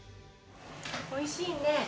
おいしいね。